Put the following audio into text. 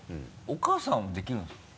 お母さんもできるんですか？